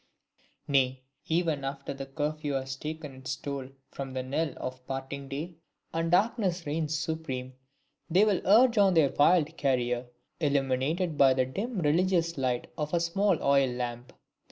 Nay, even after the Curfew has taken its toll from the knell of parting day, and darkness reigns supreme, they will urge on their wild career, illuminated by the dim religious light of a small oil lamp!